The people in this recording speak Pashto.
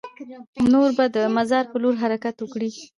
نور به د مزار په لور حرکت وکړو.